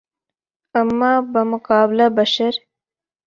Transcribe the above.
اماں بمقابلہ بشر